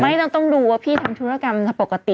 ไม่ต้องเดี๋ยวว่าพี่ทำธุรกรรมยังคือปกติ